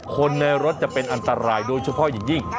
คนในรถจะเป็นอันตรายโดยเฉพาะอย่างยิ่ง